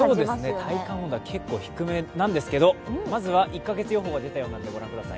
体感温度は結構低めなんですけどまずは１か月予報が出たようなんでご覧ください。